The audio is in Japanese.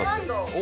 お。